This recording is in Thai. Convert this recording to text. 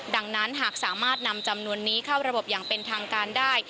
ดังนั้นหากสามารถนำจำนวนนี้เข้าระบบอย่างเป็นทางการได้